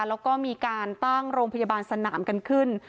แล้วก็มีการตั้งโรงพยาบาลสนามกันขึ้น